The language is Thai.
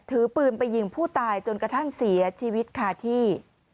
ถือปืนไปยิงผู้ตายจนกระทั่งเสียชีวิตคาที่